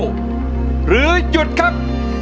หรือหยุดครับ